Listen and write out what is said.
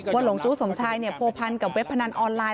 ว่าหลวงจุสมชายโภพันกับเว็บพนันออนไลน์